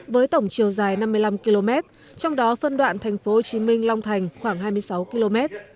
hai nghìn một mươi sáu với tổng chiều dài năm mươi năm km trong đó phân đoạn tp hcm long thành khoảng hai mươi sáu km